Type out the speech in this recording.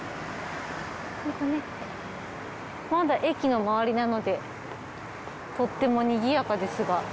まだ駅の周りなのでとってもにぎやかですが。